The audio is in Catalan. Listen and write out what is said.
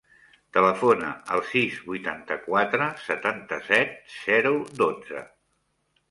Telefona al sis, vuitanta-quatre, setanta-set, zero, dotze.